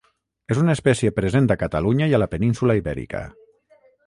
És una espècie present a Catalunya i a la península Ibèrica.